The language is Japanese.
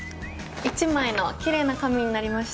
一枚の奇麗な紙になりました。